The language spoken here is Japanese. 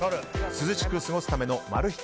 涼しく過ごすためのマル秘